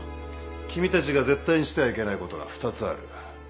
君たちが絶対にしてはいけないことが２つある。